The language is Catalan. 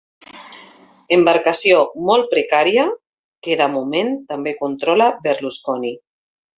Embarcació molt precària que, de moment, també controla Berlusconi.